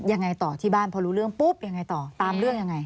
ยังไงต่อที่บ้านพอรู้เรื่องปุ๊บยังไงต่อตามเรื่องยังไง